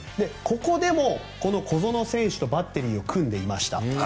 ここでもこの小園選手とバッテリーを組んでいました。